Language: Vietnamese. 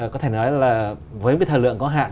có thể nói là với cái thời lượng có hạn